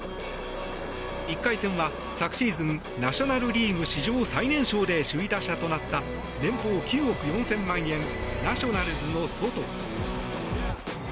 １回戦は昨シーズンナショナル・リーグ史上最年少で首位打者となった年俸９億４０００万円ナショナルズのソト。